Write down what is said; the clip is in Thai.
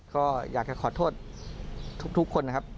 ก็อยากจะขอโทษทุกคนนะครับ